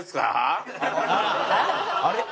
「あれ？